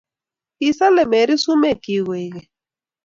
kisale Mary sumekchik koek keny